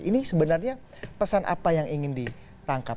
ini sebenarnya pesan apa yang ingin ditangkap